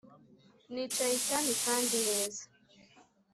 Nicaye cyami kandi neza